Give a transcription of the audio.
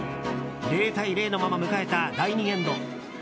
０対０のまま迎えた第２エンド。